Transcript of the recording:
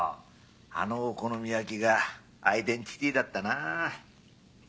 あのお好み焼きがアイデンティティーだったなぁ。